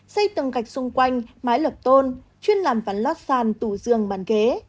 xây tầng gạch xung quanh mái lợp tôn chuyên làm ván lót sàn tủ giường bàn ghế